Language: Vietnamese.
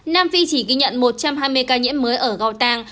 nam phi chỉ ghi nhận một trăm hai mươi ca nhiễm mới ở gotang